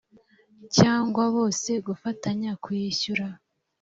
cyangwa bose gufatanya kuyishyura